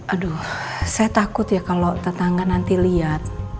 aduh saya takut ya kalau tetangga nanti lihat